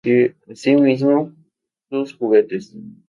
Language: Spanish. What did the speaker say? Así mismo. Tus juguetes.